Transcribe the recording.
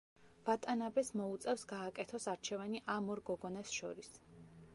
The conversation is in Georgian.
ვატანაბეს მოუწევს გააკეთოს არჩევანი ამ ორ გოგონას შორის.